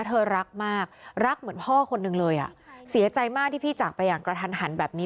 เธอรักมากรักเหมือนพ่อคนหนึ่งเลยอ่ะเสียใจมากที่พี่จากไปอย่างกระทันหันแบบนี้